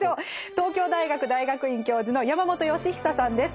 東京大学大学院教授の山本芳久さんです。